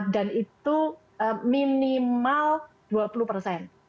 dan itu yang jumlah ukt nya lima ratus hingga satu juta